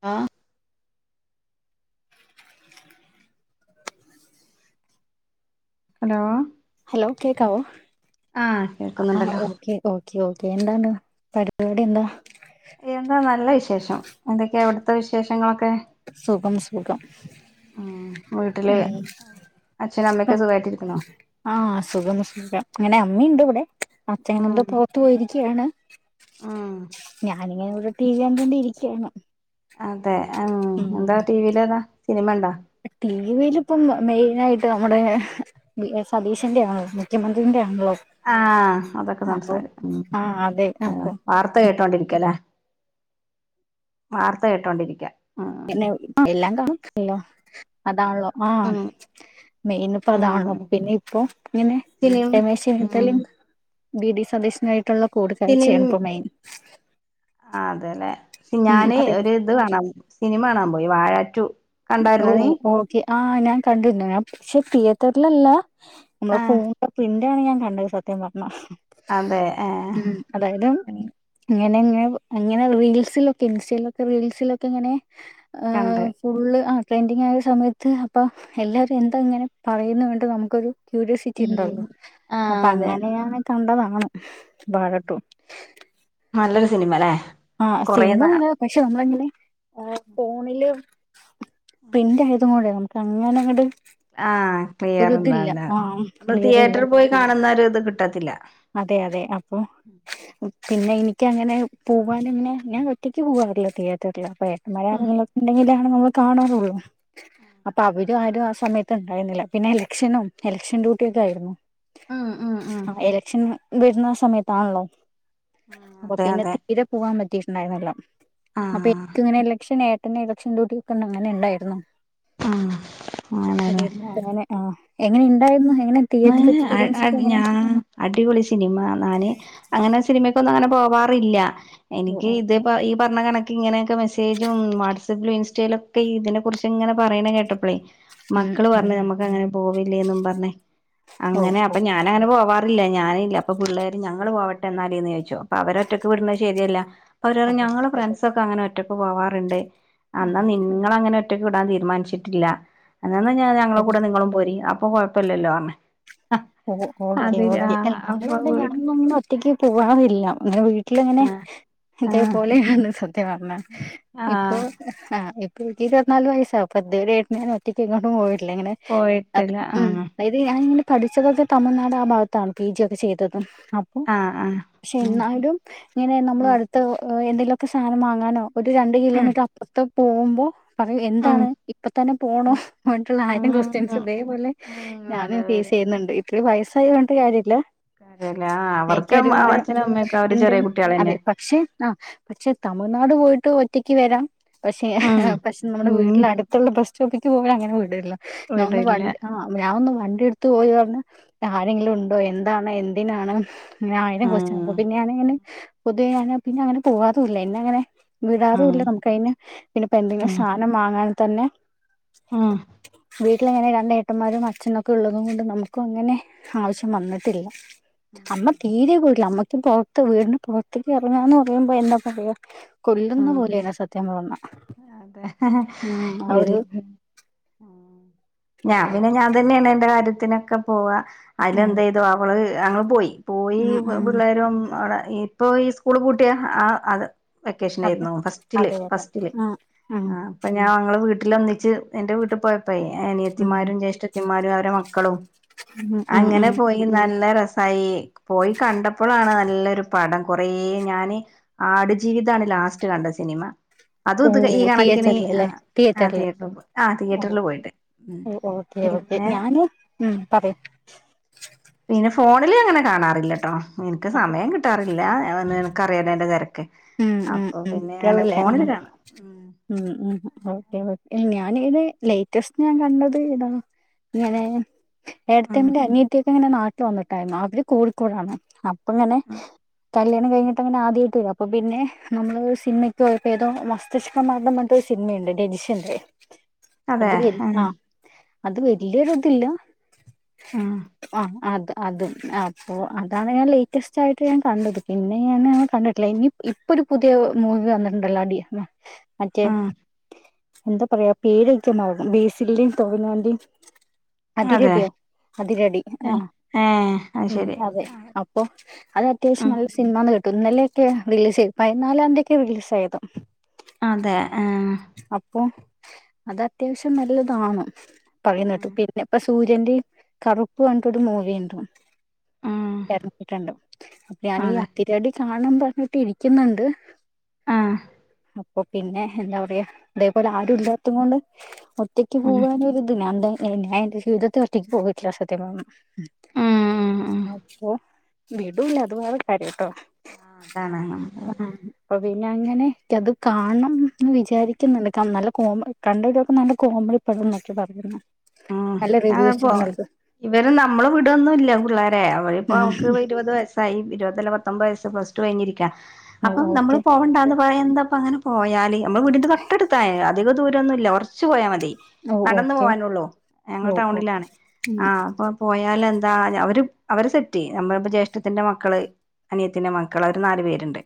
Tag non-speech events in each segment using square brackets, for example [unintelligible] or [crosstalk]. ആ hello hello കേക്കാവോ ആഹ് ആ കേൾക്കുന്നുണ്ടല്ലോ ഓക്കെ ഓക്കെ ഓക്കെ എന്താണ് പരിപാടി എന്താ എന്താ നല്ല ഇഷ് ശേഷം എന്തൊക്കെയാ അവിട്ത്തെ വിശേഷങ്ങളൊക്കെ സുഖം സുഖം ഉം വീട്ടില് ആ ഉം അച്ഛനും അമ്മയൊക്കെ സുഖായിട്ടിരിക്കണോ ആ സുഖം സുഖം അങ്ങനെ അമ്മീണ്ട് ഇവ്ടെ അച്ചായനന്തോ ഉം പൊറത്തു പോയിരിക്കയാണ് ഉം ഞാനിങ്ങനെ ഇവിടെ ടി വി അണ്ടോണ്ടി ഇരി ക്ക്യേങ് ആഹ് ഉം സിനിമ ഉണ്ടോ ടി വിയിലിപ്പം മെയിനായി ക്ക്‌ നമ്മുടെ വി സതീഷിന്റെ ആണോ മുഖ്യമന്ത്രിന്റെ ആണല്ലോ ആഹ് അതൊക്കെ അപ്പൊ സംസാരിക്കും ആ അതെ ആ അപ്പൊ വാർത്ത കേട്ടോൊണ്ടിരിക്കല്ലേ വാർത്ത കേട്ടോണ്ടിരിക്ക ഉം പിന്നെ എല്ലാം [unintelligible] ല്ലോ അതാൺല്ലോ ആഹ ഉം മെയിൻ പ്രധാണ് ഉം പിന്നെ ഇപ്പൊ ഇങ്ങനെ സിനിം രമേശ് ഉം ചെന്നിത്തലിം ബി ഡി സതീശ് നായിട് ട്ടുള്ള കൂടിക്കാഴ്ചയാണ് ഇപ്പൊ മെയിൻ ആ അതെലേ ക് ഉം ഞാന് പറയൂ ഒര് ഇത് വാണാം സിനിമ കാണാൻ പോയി വാഴാറ്റു ഓ ഓക്കെ ആഹ് ഞാൻ കണ്ടിര്ന്നു ഞാ പക്ഷെ തിയേറ്ററിലല്ല നമ്മളെ ആഹ് [unintelligible] [unintelligible] സത്യം പറ അതെ ഏഹ് ഉം അതായത് ഉം ങ്ങനെങ്ങനെ അങ്ങനെ റീൽസിലൊക്കെ ഇൻസ്റ്റയിലൊക്കെ റീൽസിലൊക്കെ ഇങ്ങനെ കണ്ട് ആഹ് ഫുള്ള് ആ ട്രെൻഡിങ് ആയ സമയത്ത് അപ്പം എല്ലാവരും എന്താ ഇങ്ങനെ പറയുന്നു വേണ്ട് നമുക്കൊരു ക്യൂരിയോസിറ്റി ഉം ഉണ്ടല്ലോ അപ്പൊ ആഹ് അതെ അങ്ങനെയ കണ്ടതാണ് വാഴ ടു നല്ലൊരു സിനിമല്ലേ ആഹ് സിനിമ നല്ലതാ പക്ഷെ ന നമ്മങ്ങനെ ആ ഫോണില് പ്രിന്റ് ആയതും കൂടെ ന അങ്ങനെ അങ്ങട് ആഹ് ക്ലിയർ ഒരു ഇതില്ല ഉണ്ടാവില്ല ആ നമ്മള് ക്ലിയർ ഇല്ല തിയേറ്ററി പോയി കാണുന്ന ഒരു ഇ ഇത് കിട്ടത്തില്ല അതെ അതെ അപ്പൊ പിന്നെ എനിക്കങ്ങനെ പോവാനിങ്ങനെ ഞാൻ ഒറ്റക്ക് പോവാറില്ല തിയേറ്ററില് അപ്പ ഉം [unintelligible] ഉണ്ടെങ്കില് നമ്മള് കാണാറുള്ളൂ അപ്പൊ അവര ആരും ആ സമയത്ത് ഉണ്ടായിരുന്നില്ല പിന്നെ എലക്ഷനും എലക്ഷൻ ഡ്യൂട്ടിയൊക്കെ ആയിരുന്നു. ഉം ഉം ഉം ആ എല വേരുന്ന സമയത്താണല്ലോ അപ്പൊ അതെ പിന്നെ അതെ തീരെ പോവാൻ മ [unintelligible] അപ്പൊ ആഹ് എനിക്ക് ഇങ്ങനെ എലക്ഷൻ എ പിന്നെ എലക്ഷൻ ഡ്യൂട്ടി [unintelligible] അങ്ങനെ ഉണ്ടായിരുന്നോ ആഹ് അങ്ങനല്ലെ അങ്ങനെ ആ എങ്ങനെ ഉണ്ടായിരുന്നു ഹൈ [unintelligible] ഞാൻ അടി അടിപൊളി ശിനിമ നാന് അങ്ങനെ സിനിമക്കൊന്നും അങ്ങനെ പോ വാറില്ല ഓ എനിക്ക് ഇത് ഓക്കെ ഈ പറഞ്ഞ കണ ഇങ്ങനെയൊക്കെ മെസേജും വാട്സപ്പിലും ഇൻസ്റ്റയിലൊക്കെ ഇതിനെ കുറിച്ച് ഇങ്ങനെ പറയണേ കേട്ടപ്പഴേ ഉം മക്കള് പറഞ്ഞ് ഉം നമ്മുക്ക് അങ്ങനെ പോവ അല്ലേന്നും പറഞ്ഞേ ഓ അങ്ങനെ ഓ അപ്പോ ഞാന അങ്ങനെ പോവാ [unintelligible] ഞാനില്ല അപ്പോ പിള്ളേര് ഞങ്ങള് പോട്ടെ എന്നാലീന്ന് ചോദിച്ച് അപ്പോ അവരൊറ്റൊക്ക്‌ വിട്ണത് ശെരി അല്ല അപ്പോ പറയും അതെ ഞങ്ങള് ഫ്രൻസ് [unintelligible] ഒക്കെ അങ്ങനെ ഒറ്റക്ക് പോവാറുണ്ടെ അന്നാ നിങ്ങളങ്ങനെ ഒറ്റ [unintelligible] വിടാൻ തീരുമാനിച്ചിട്ടില്ല [unintelligible] ഞങ്ങളുടെ ഉം കൂടെ നിങ്ങളും പോ അപ് അപ്പ കുഴപ്പമല്ലോ [unintelligible] ഓ ഓക്കെ അപ്പൊ [unintelligible] വീട് ഞാൻ ഒറ്റക്ക് പോകറില്ല ന്നെ വീ ട്ടിലിങ്ങനെ ആഹ് ആഹ് ഇതേപോലെയാന്ന് സത്യമ [unintelligible] ഇപ്പൊ ആഹ് ആ ഇപ്പൊഴുത്ത [unintelligible] ഇരുപതിനാല് വയസ്സാവും അപ്പൊ ഇത് രെയും ഏട്ടൻ ങ്ങനെ ഒറ്റയ്ക്ക് എങ്ങോട്ടും പോയി [unintelligible] അത് പോയിട്ടില്ല മ് ആഹ് അതായത് ഞാനിങ്ങ [unintelligible] തമിഴ്നാട് ആ ഭാഗത്താണ് പി ജി ഒക്കെ ചെയ്തതും അപ്പൊ ആഹ് ആഹ് ക്ഷെ ഉം എന്നാലും ഇങ്ങനെ നമ്മള് ഉം അടുത്ത എന്തെലു ഓക്കെ സാനം വാങ്ങാനോ ഒരു രണ്ട് ഉം കിലോമീറ്റർ അപ്പറത്ത് പോവുമ്പോ പറയൂ ഉം എന്താണ് ഇപ്പ തന്നെ പോണോ വൺ റ്റുള്ളാ ആയിരം ഉം ക്വസ്റ്റ്യൻസ് ഇതേപോലെ ഉം ഞാന് അത് ഫേസ് വരും ചെയ്യുന്നുണ്ട് ഇപ്പോഴ് വയസ്സായത് കൊണ്ട് കാര്യല്ലാ കാര്യല്ലേ ആഹ് അവർക്ക് എനിക്കാരു കുടെ അച്ഛനും അമ്മയൊക്കെ അവര് ഇണ്ട് ചെറിയ അതെ കുട്ടികളന്നെ പക്ഷെ ആ പക്ഷെ തമിഴ്നാട് പോയിട്ട് ട്ടു ഒറ്റക്ക് വരാം പക്ഷെ ആഹ് പക്ഷെ നമ്മുടെ ഉം വീട്ടില് അടുത്തൊള്ള പ്രശ് ഡ്യൂട്ടിക്ക് പോവേ അങ്ങനെ വിടില്ല ഞാ ഇവിടെ ഒന്ന് ഇല്ല വണ്ട് ആ ഞ ഒന്ന് വണ്ടിയെട് ത്ത് പോയി പറഞ് താരെങ്കിലും ഉണ്ടോ എന്താണ് എന്തിനാണ് ആയിരം ക്വസ്ത്യൻ അപ്പ ആഹ് പിന്നെ ആണെങ്കിലും പൊതുവേ അങ്ങനെ പിന്നെ അങ്ങനെ പോവാതു ഇല്ല പിന്നെ അങ്ങനെ ആഹ് വിടാറൂല്ല നമുക്ക് അതിന് പിന്നെ ഇപ്പ എന്തെങ്കിലും ആഹ് സാധനം വാങ്ങാ തന്നെ ആഹ് വി വീട്ടിൽ അങ്ങനെ രണ്ട് ഏട്ടന്മാരും അച്ഛൻ ഒക്കെ ഉള്ളൂ. അതുകൊണ്ട് നമുക്ക് അങ്ങനെ. ആവശ്യം വന്നിട്ടില്ല അമ്മ തീരെ പോയിട്ടില്ല അമ്മ. ഇപ്പൊ പൊറത്ത് വീടിന് പൊറത്തേക്ക് എറങ്ങാന് പറയുമ്പോ എന്താ പറയാ. കൊല്ലുന്ന ആഹ് പോലെയാണ് സത്യയൊന്ന് പറഞ്ഞാൽ അതെ ഉം ശരി അവര്. ഞാൻ പിന്നെ ഞാൻ തന്നെയാണ് എന്റെ കാര്യത്തിനൊക്കെ പോവാ. അതില് ഉം എന്താ ചെയ്തു അവള് അങ്ങ് പോയി പോയി ഉം ഉം പിള്ളേരും അവിടെ. ഇപ്പൊ ഈ സ്കൂള് പൂട്ടിയാ ആഹ് അത് വെക്കേഷൻ അതെ ആയിരുന്നു ഫസ്റ്റില് അതെ അതെ ഫസ്റ്റില് ഉം ഉം അപ്പൊ ഞാൻ ങ്ങള് വിട്ട് ട്ടിലൊന്നിച്ച് എന്റെ വീട്ടി പോയപ്പഴേ ഏ ഉം ത്തിമാരും ജ്യേഷ്ഠത്തിമാരും അവരെ മക്കളും ഉം ഉം അങ്ങനെ ഉം പോയി നല്ല രസ [unintelligible] പോയി കണ്ടപ്പോഴാണ് നല്ലൊരു പടം കൊറേ ഞാന് ആടുജീവിതാണ് ലാസ്റ്റ് കണ്ട സിനിമ. ഓ അതും ഇത് ഈ കണക്കിന് ആ തിയേറ്ററിലല്ലേ ആ തിയേറ്ററില് തിയേറ്ററിൽ പോയി ആ തിയേറ്ററിൽ പോയിട്ട്. ഉം പിന്നെ പിന്നെ [unintelligible] ഫോണില് അങ്ങനെ കാണാറില്ലട്ടോ എന്ക്ക് സമയം കിട്ടാറില്ല. അത് തന്നെയാണ്. ക്കറിയാലോയെന്റെ തെരക്ക്? ഉം ഉം ഉം കേളല്ലേ ഉം ഫോണില് കാണാം ഉം ഉം ഉം ഞാൻ ഇത് ലേറ്റസ്റ്റ് ഞാൻ കണ്ടത് ഇതാ. ഇങ്ങനെ ഉം ഏട്ടത്തിയമ്മേൻ്റെ അനിയത്തിയോ? എങ്ങനെ നാട്ടിൽ വന്നിട്ടായിരുന്നോ? അവര് കോഴിക്കോടാണ്. അപ് അങ്ങനെ ഉം കല്യാണം കഴിഞ്ഞിട്ടങ്ങനെ ആദ്യായിട്ട് വരുവാ. അപ്പോ പിന്നെ നമ്മള് സിനിമയ്ക്ക് പോയപ്പോ ഏതോ മസ്തിഷ്കമരണം എന്ന് പറഞ്ഞിട്ട് ഒരു സിനിമയുണ്ട് രജിഷന്റെ അതെ അത് വ ഉം അത് വല്യരൊതില്ല. ഉം ആഹ് അതെ അതും അപ്പോ അതാണ് ഞാൻ ലേറ്റസ്റ്റ് ആയിട്ട് ഞാൻ കണ്ടത്. പിന്നെ ഞാന് ആഹ് കണ്ടിട്ടില്ല. ഇനി ഇപ്പൊ ഒരു പുതിയ മൂവി വന്നിട്ടുണ്ടല്ലോ അടി മറ്റേ ഉം എന്താ പറയാ പേരൊക്കെ മറന്നു. ബേസിലിന്റയും ടോവിനോന്റെയും അതെ അതിരടിയോ അതിരടി ആ ഏ അത് ഉം ശരി അതെ അപ്പോ അത് അത്യാവശ്യം ഉം നല്ല സിനിമാന്ന് കേ തുന്നലെക്കെയാ റിലീസ് ചെയ്തു പയിനാലാം തീയതിക്കാ റിലീസ് ആയത്. അതെ ആ അപ്പൊ അത് അത്യാവശ്യം നല്ലതാണ്. പറയുന്ന കേട്ടു. പിന്നെ ഇപ്പ സൂര്യന്റെ കറുപ്പ് പറഞ്ഞട്ടൊരു മൂവിയുണ്ട്. ഉം എറങ്ങിട്ടുണ്ട്. അപ്പൊ ഞാനീ അതെ അതിരടി കാണണംന്ന് പറഞ്ഞ് ട്ടിരിക്കുന്നൊണ്ട്. ആ അപ്പൊ പിന്നെ എന്താ പറയാ അതേപോലെ ഉം ആരൂല്ലാത്തും കൊണ്ട് ഒറ്റക്ക് ഉം പോവാനൊരു ഇതിലാണ്. ഇനി ഞാൻ എന്റെ ജീവിതത്തിൽ ഒറ്റക്ക് പോയിട്ടില്ല സത്യം പറഞ്ഞാൽ ഉം അപ്പൊ വീടൂല്ല അതുവേറെ കാര്യം കേട്ടോ. ആഹ് കാണാം നമ്മള് ആ അപ്പൊ അങ്ങനെ എനിക്ക് അത് കാണണം. എന്ന് വിചാരിക്കുന്നുണ്ട് കമ്മല്. കോമ കണ്ടവരൊക്കെ നല്ല കോമഡി പടം നോക്കിയിട്ട് വരുന്നേ. ആഹ് ഞാൻ അപ്പോ ഇവര് നമ്മള് വീടോന്നുമില്ല പുള്ളാരേ അവരെ ഇപ്പോ അവൾക്ക് ഇരുപത് വയസായി ഇരുപതല്ല പത്തൊമ്പത് വയസ് പ്ലസ് [unintelligible] ക്കാ അപ്പം നമ്മള് ഓക്കെ പോവണ്ടാന്ന്. പോയ എന്താപ്പ അങ്ങനെ പോയാല് നമ്മളെ വീടിന്റെ തൊട്ടടുത്തായി അധികം ദൂരൊന്നുല്ല കൊറച്ച് പോയാ മതി ഓ നടന്ന് ഓക്കെ പോകാനുള്ളൂ ഞങ്ങള് ഓ ഓ ടൗണിലാണ് ഉം ആ അപ്പൊ പോയാല് എന്താ അവര് അവര് സെറ്റ് ചെയ്യും നമ്മളിപ്പോ ജ്യേഷ്ഠത്തിന്റെ മക്കള് അനിയത്തിന്റെ മക്കള് അവര് നാല് പേരുണ്ട്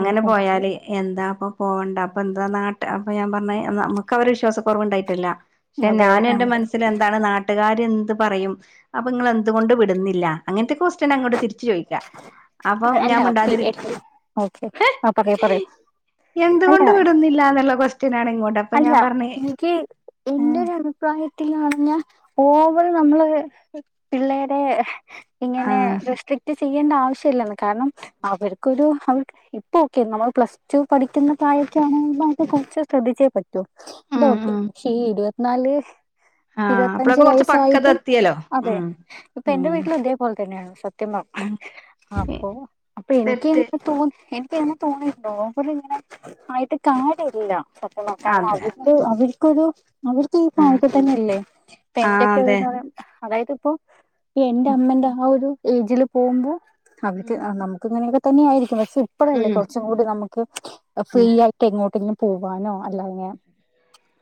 ഉം ഓക്കെ പോയാല് എന്താ അപ്പം പോകണ്ട അപ്പം എന്താ നാട്ട് അപ്പോ ഞാൻ പറഞ്ഞ് നമ്മുക്ക് അവരെ വിശ്വാസക്കുറവ് ഉണ്ടായിട്ടല്ല ക്ഷെ അതെ അതെ ഞാന് ആ ന്റെ മനസ്സിൽ എന്താണ് നാട്ടുകാര് എന്ത് പറയും അപ്പ ഇങ്ങള് എന്ത് കൊണ്ട് വിടുന്നില്ല അങ്ങനത്തെ കൊസ്റ്റ്യൻ അങ്ങോട്ട് തിരി രിച്ച് ച്ചോയിക്കാ അപ്പം അല്ല ഞാൻ പി- മിണ്ടാതിരി എ- ഓക്കെ ആ പറയൂ പറയൂ അല്ല എന്തുകൊണ്ട് വിടുന്നില്ലാന്നുള്ള ക്വസ് അല്ല നിക്ക് എന്റെ ഒരു അഭിപ്രായ ത്തില് പറഞ്ഞാ ഓവറ് നമ്മള് പിള്ളേരെ ഇങ്ങനെ ആഹ് റിസ്ട്രിക്റ്റ് ചെയ്യേണ്ട ആവശ്യല്ലാന്ന് കാരണം അവർക്കൊരു അവർ ഇപ്പൊ ഒക്കെ നമ്മൾ പ്ലസ്ടു പഠിക്കുന്ന പ്രായക്കൊയാണെങ്കില് നമുക്ക് കൊറച്ച് ശ്രദ്ധിച്ചേ പറ്റോ ഇത് ഉം ഓക്കെ ഉം പക്ഷെ ഈ ഇരുപത്ത് ന്നാല് ആഹ് ഇരുവത്തഞ്ച് അപ്പളൊക്കെ കൊറച്ച് പക്വത വയസ്സായിട്ടും എത്തിയല്ലോ അതെ ഉം ഇപ്പ എന്റെ ഉം വീട്ടിലും ഇതേപോലെ തന്നെയാണ് ത്യം പർഞാ. ഉം അപ്പൊ അപ്പ എനിക്കും തെറ്റ് തോന്നി എ ക്ക് [unintelligible] തോന്നിയിട്ട്ണ്ടോ പക്ഷെ ഇങ്ങനെ ആയിട്ട് കാര്യവില്ല സ ത്യവാ. കാരണം അതെ അവര്ക്ക് അവര് ക്കൊരു അവർക്ക് ഈ ആഹ് പായൊക്കെ തന്നെയല്ലേ ആഹ് ടെന്റൊക്കെ [unintelligible] അതെ യുള്ള അതായത് ഇപ്പൊ എന്റെ അമ്മേന്റെ ആ ഒരു ഏജില് പോവ്മ്പോ അവർക്ക് ഉം നമ്മുക്ക് ഇങ്ങനെയൊക്കെ തന്നെയായിരിക്കും ക്ഷെ ഇപ്പഴല്ലേ ഉം കുറച്ചും കൂടി നമുക്ക് ഫ്രീ ആയിട്ട് എങ്ങോട്ടങ്കിലും പോവാനോ അല്ലങ്ങ്യാ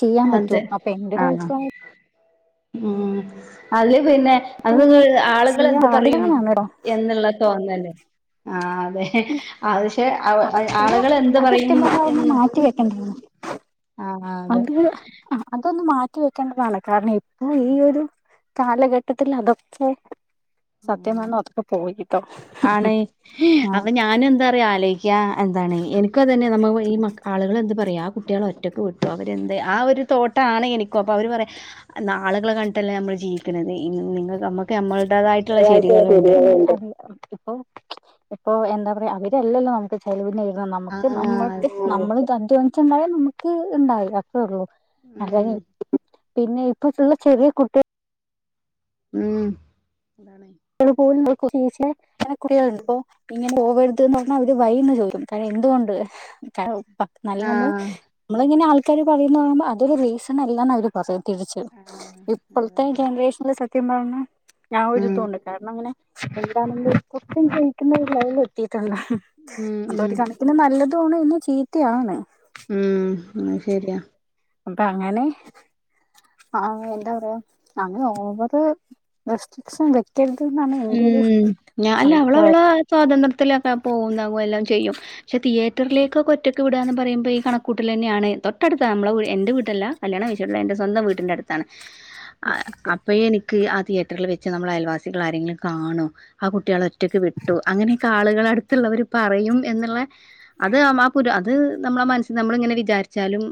ചെയ്യാം പറ്റോ അതെ അപ്പൊ എന്റെ ഒരു ആഹ് അഭിപ്രായത്തി ഉം [unintelligible] അല്ലെ പിന്നെ അത് [unintelligible] നിങ്ങൾ ഇങ്ങനെ ആളുകൾ ചെയ്യാൻ എന്ത് പറയും പാടില്ലാന്നാണ് കേട്ടോ എന്നുള്ള തോന്നല് ആ.... [unintelligible] തെ അ [unintelligible] പക്ഷെ അവ അത് ആളുകൾ എന്ത് അത് പറയും സത്യം പറഞ്ഞാ ഒന്ന് എന്ന് മാറ്റി വെക്കേണ്ടതാണ് ആ ആ [unintelligible] അതെ ന്ന് മാറ്റിവെക്കേണ്ടതാണ് കാരണം എ ഈ ഒരു കാലഘട്ടത്തിൽ അതൊക്കെ സത്യ [unintelligible] അതൊക്കെ പോയിട്ടോ ആണ് ആഹ് അന്ന് ഞാനും എന്താ [unintelligible] പറയാലേ ആ ക്യാ എന്താണ് എനിക്കും അതുതന്നെയാ നമ്മ ഈ മക്ക ആളുകളെന്ത് പറയ ആ കുട്ടികൾ ഒറ്റക്ക് വിട്ടു അവരെന്ത് ആ ഒരു തോട്ടാണ് എനിക്കും അപ്പോൾ അവർ പറയാം ആളുകളെ കണ്ടിട്ടല്ലേ നമ്മൾ ജീവിക്കുന്നത് നിങ്ങൾക്ക് നമ്മുക്ക് നമ്മൾ [unintelligible] [unintelligible] ഇപ്പോം എന്താ പറയാ അവര്ല്ലല്ലോ നമുക്ക് ചെലവി [unintelligible] ന്ന അ ആ നമുക്ക് നമ്മക്ക് അതെ നമ്മള് അധ്വാൻച്ചുണ്ടായൽ നമ ക്ക് ഇ ണ്ടായി ള്ളൂ ഉം [unintelligible] പിന്നെ ഇപ്പതുള്ള ചെറിയ കുട്ടിക ഉം [unintelligible] പോവരുത് പറഞ്ഞാൽ അവര് വൈന്ന് ചോദിക്കും കാരണം എന്തുകൊണ്ട് പ നല്ല നമ്മള് ആ നമ്മളങ്ങനെ ആൾക്ക ആക്കാര് പറയുന്ന അതൊ റീസണല്ലന്ന് അവര് പറയുന്നു തിരിച്ചു ആഹ് അതെ ഇപ്പോഴത്തെ അതെ ജനറേഷനൽ [unintelligible] ഉം ഞാനെടുത്തോണ്ട് ന്നങ്ങനെ സൈഡാണെങ്കിൽ ഒത്തിരി സഹിക്കുന്ന [unintelligible] തള്ള ഉം അതൊരു ഉം കണക്കിന് നല്ലതാ തോണ് ഇന്നു ചീത്തയാണ് ഉം അശരിയാ ഒന്ന് താങ്ങാന് ആഹ് എന്താ പറയാ അങ്ങനെ ഓവർ റെസ്റ്റിക്സ് വ്യ എന്ത്ന്നാന്ന് ഇവിടൊരു ഉം. [unintelligible] [unintelligible] പോന്ന പോല എല്ലാം ചെയ്യും ക്ഷേ തിയ്യേറ്ററിലോക്കൊക്കെ ഒറ്റക്ക് വിടാന്ന് പറയുമ്പഴീ കണ്ക്കൂട്ടലന്നെയാണ് തൊട്ടടുത്താ നമ്മള വീ എൻ്റെ വിടല്ല കല്യണം കഴിച്ചോട് എൻ്റെ സ്വന്തം വീട്ടിൻ്റടുത്താണ് അപ്പോ എനി ക്ക് ആ തിേറ്ററിൽ വച്ച് നമ്മള അയൽവാസികൾ ആരെങ്കിലും കാണും ആ കുട്ടികളെ ഒ മറ്റ [unintelligible] വിട്ടു അങ്ങനൊക്കെ ആ [unintelligible] ളൾടു മ [unintelligible] ള്ളവർ പറയും എന്നുള്ള അത് ആമ പുര അത് നമ്മളെ മനസ്ൽ നമ്മളിങ്ങനെ വിചാരിച്ചാലും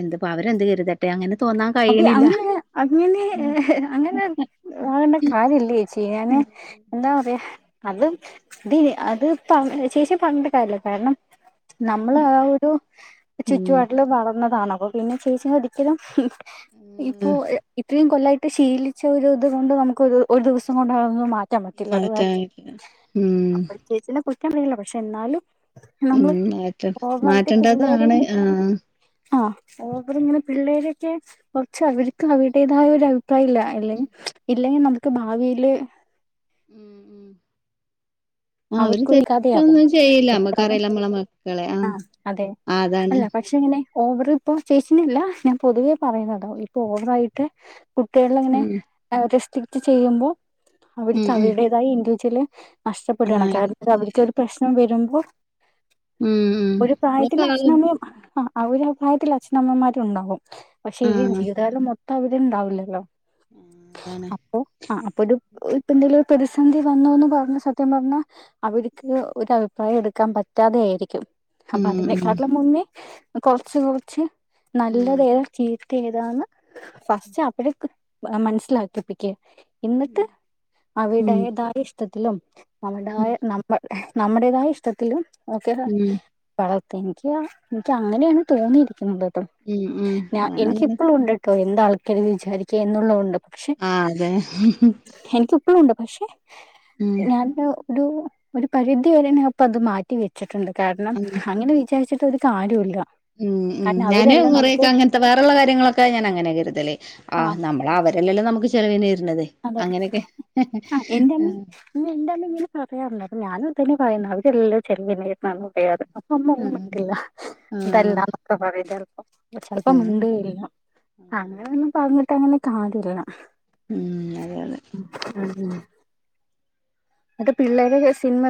എന്ത് അവരെന്ത് കരുതട്ടെ അങ്ങനെ തോന്നാൻ അപ്പ കഴിയണില്ല. അങ്ങനെ അങ്ങനെ അങ്ങനെ ആകണ്ട കാര്യല്ലേ ചെയ ാന് എന്താ പറയാ അത് തി അത് പറഞ് ചേച്ചിയെ പറഞ്ഞിട്ട് കാര്യല്ല കാരണം നമ്മൾ ആ ഒരു ഉം. ചുറ്റുവാട്ടിൽ വളർന്നതാണോ അപ്പ പിന്നെ ചേചിനെ ഒതിക്കലും ഇപ്പൊ ഇ ഇത്രയും കൊല്ലമായിട്ട് ശീലിച്ച ഒരു ഇത് കൊണ്ട് നമുകൊതു ഒരു ദിവസം കൊണ്ടതൊന്ന് മാറ്റ റ്റാൻ പറ്റില്ല അത് വേറെ മറക്കാനായിട്ട്. ഉം. ക ചേച്ചീനെ കു നിക്കറിയില്ല പക്ഷെ എന്നാലും ഉം നമ്മള് മാറ്റ ഓവറായിട്ട് മാറ്റേണ്ടതാണ് ആഹ് ഓവറിങ്ങനെ പിള്ളേരൊക്കെ കുറച്ച് അവര്ക്ക് അവരുടേതായ ഒ പ്രായില്ല അല്ലെങ്ക ഇപ് അല്ലെങ്കിൽ നമുക്ക് ഭാവിയില് ഉം ഉം ആ അവര് അവർക്കൊരു കഥയാകും തെറ്റൊന്നും ചെയ്യില്ല എക്കാതും നമ്മക്ക്റിയാല്ലോ നമ്മളെ മക്കളെ ആ അതാണ് ഓവറിപ്പോ ചേച്ചിനെയല്ല ഞാൻ പൊതുവേ പറയുന്നതാ ഇപ്പൊ ഓവറായിട്ട് കുട്ടികളൾ അങ്ങനെ ഉം [unintelligible] തെറ്റ് ചെയ്യുമ്പോ ഉം അവർക്ക് ഉം അവരുടേതായി എ ച്ചിന് മറ്റ് പ്പെടാണ് ആഹ് കാരണം അവർക്കൊരു പ്രശ്നം വരും [unintelligible] ഉം ഉം ഒരു ഇപ്പളത്തെ പ്രായത്തില് ആള് അച്ഛനമ്മയും ആ അവരും പ്രായത്തിൽ അഛനമ്മമാരുണ്ടകും പക്ഷെ ഈ ആഹ് ജീവിതാലും മൊത് അവരുണ്ടാവില്ലല്ലോ ആഹ് അതാണ് അപ്പൊ ആ അപ്പൊരു ഇപ്പ എന്തെങ്കിലും പ്രസന്ധി വന്നോ എന്ന് പറഞ്ഞ സ സത്യം പറഞ്ഞാൽ അവർക്ക് ഒരു അഭിപ്രായം എടുക്കാൻ പറ്റാതെ ആയിരിക്കും അപ്പ ഉം അതിനന്നെ ഉം കാട്ടിലും മുന്നേ കൊർച്ച് കൊർച്ച്‌ ഉം നല്ലതേതാ ചീ ത്ത ഏതാന്ന് ഫസ്റ്റ് അപ്പോഴേ മനസ്സിലാക്കിപ്പിക്ക് എന്നിട്ട് ഉം അവിടേതായ ഇഷ്ട്ട ത്തിനും നമ്മടായ ഉം നമ്മൾ നമ്മുടേതായ ഇഷ്ടത്തില് ഓക്കെടാ ഉം പറ എനിക്ക് എനിക്ക്ങ്ങനെയാണ് തോന്നിയിരിക്കുന്നത് ഉം ഉം ഞാൻ എനിക്ക് ഞാനങ്ങനെ ഇപ്പോൾ ഒണ്ട്ക്ക എന്താള് ക്കരുത് വിചാരിക്കുക എന്നുള്ളത് ഉണ്ട് ആ അതെ പ്പോഴുണ്ടോ പക്ഷേ ഉം ഒരു ഒരു പരിധി വരെ ഞാൻപ്പത് മാറ്റി വെച്ചിട്ടുണ്ട് കാരണം അങ്ങനെ വിചാരിച്ചിട്ട് ത്തൊരു കാര്യോല്ല ഉം ഉം ഞാന് കുറേക്കെ അങ്ങനത്തെ വേറെള്ള കാര്യങ്ങളൊക്കെ ഞാൻ അങ്ങനെ കരുതല് ആ ആഹ് നമ്മളെ അവരെല്ലല്ലോ നമുക്ക് ചെലവിനേര് അതെ ആ എന്റമ്മ എന്റെ അമ്മ ഇങ്ങനെ പറയാറുണ്ട് അപ്പൊ ഞാനും തന്നെ പറയുന്ന അവെല്ല ചെറിയ [unintelligible] പറയാത് അപ്പമ്മ ഒന്നും ആഹ് മിണ്ടില്ല ആഹ് ഇതല്ല നൊക്കെ പറ [unintelligible] ചെലപ്പോ ഉം ഉണ്ട് [unintelligible] അങ്ങനെ [unintelligible] പറഞ്ഞി ക്കഅങ്ങനെ കാണില്ല ഉം അതെ അതെ ഉം അതെ അത് പിള്ളേര് സിനിമക്ക്